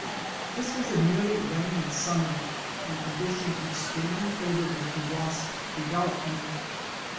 This was a nearly rainless summer, a condition extremely favorable to wasp development.